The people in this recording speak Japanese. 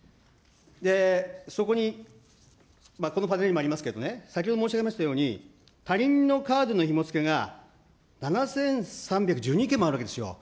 そこに、このパネルにもありますけどね、先ほど申し上げましたように、他人のカードのひも付けが７３１２件もあるわけですよ。